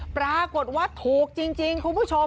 ปรากฏว่าถูกจริงคุณผู้ชม